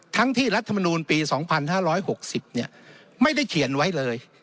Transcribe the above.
ทั้งที่รัฐมนูลปี๒๕๖๐ไม่ได้เขียนไว้เลย